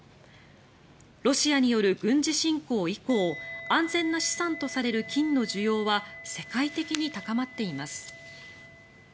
ロシアによる軍事侵攻以降安全な資産とされる金の需要は世界的に高まっています。